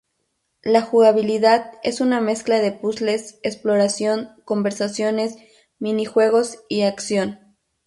La jugabilidad es una mezcla de "puzles, exploración, conversaciones, minijuegos y acción".